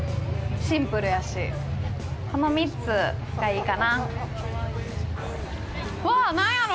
シンプルやしこの３つがいいかなわぁ何やろ？